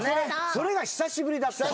それが久しぶりだったの。